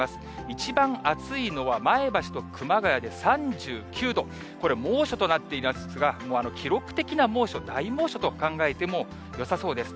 一番暑いのは前橋と熊谷で３９度、これ、猛暑となっていますが、もう記録的な猛暑、大猛暑と考えてもよさそうです。